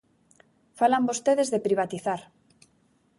Falan vostedes de privatizar.